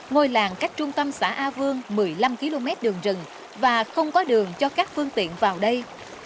ngôi làng cách trung tâm xã a vương một mươi năm km đường rừng và không có đường cho các phương tiện vào đây